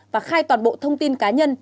và khai toàn bộ thông tin cá nhân